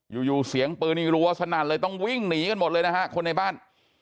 อยู่อยู่เสียงปืนนี่รัวสนั่นเลยต้องวิ่งหนีกันหมดเลยนะฮะคนในบ้าน